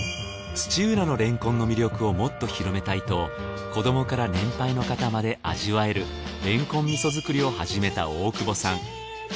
土浦のれんこんの魅力をもっと広めたいと子どもから年配の方まで味わえるれんこん味噌作りを始めた大久保さん。